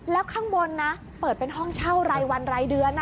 แล้วข้างบนนะเปิดเป็นห้องเช่ารายวันรายเดือน